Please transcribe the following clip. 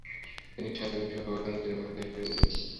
তিনি সাহিত্য বিষয় এবং স্বভাবের কারণে তিনি বক্তা হিসাবে ছিলেন।